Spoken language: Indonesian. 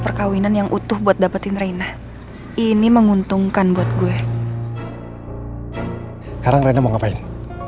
perkawinan yang utuh buat dapetin raina ini menguntungkan buat gue sekarang raina mau ngapain